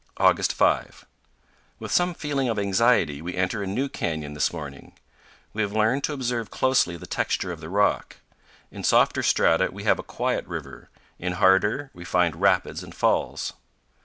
August 5. With some feeling of anxiety we enter a new canyon this morning. We have learned to observe closely the texture of the rock. In softer strata we have a quiet river, in harder we find rapids and falls.